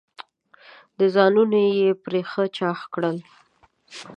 ځانونه یې پرې ښه چاغ کړل.